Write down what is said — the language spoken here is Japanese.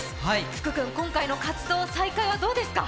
福くん、今回の活動再開はどうですか。